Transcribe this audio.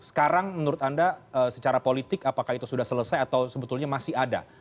sekarang menurut anda secara politik apakah itu sudah selesai atau sebetulnya masih ada